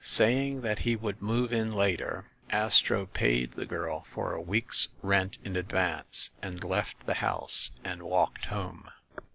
Saying that he would move in later, Astro paid the girl for a week's rent in advance, and left the house and walked home.